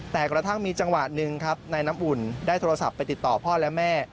แต่กระทั่งมีจังหวะหนึ่งครับนายน้ำอุ่นได้โทรศัพท์ไปติดต่อพ่อและแม่